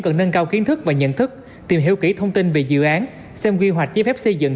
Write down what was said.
cần nâng cao kiến thức và nhận thức tìm hiểu kỹ thông tin về dự án xem quy hoạch chế phép xây dựng